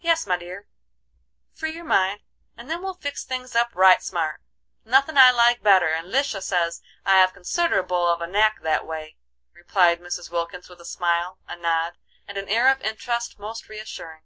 "Yes, my dear, free your mind, and then we'll fix things up right smart. Nothin' I like better, and Lisha says I have considerable of a knack that way," replied Mrs. Wilkins, with a smile, a nod, and an air of interest most reassuring.